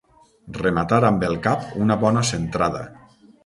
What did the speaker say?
Rematar amb el cap una bona centrada.